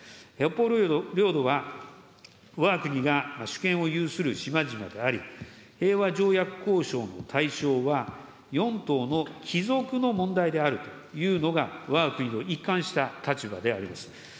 北方領土は、わが国が主権を有する島々であり、平和条約交渉の対象は、４島の帰属の問題であるというのがわが国の一貫した立場であります。